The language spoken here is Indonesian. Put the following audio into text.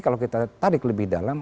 kalau kita tarik lebih dalam